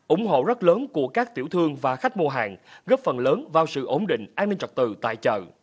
ủng hộ rất lớn của các tiểu thương và khách mua hàng góp phần lớn vào sự ổn định an ninh trật tự tại chợ